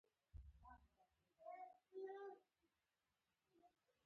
د حرب په وزارت کې يې خپله دنده پیل کړه.